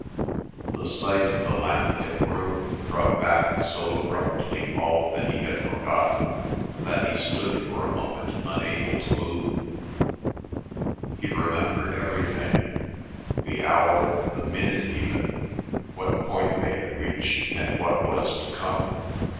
The sight of the lamp lit room brought back so abruptly all that he had forgotten that he stood for a moment unable to move. He remembered everything, the hour, the minute even, what point they had reached, and what was to come.